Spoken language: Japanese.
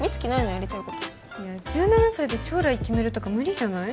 やりたいこと１７歳で将来決めるとか無理じゃない？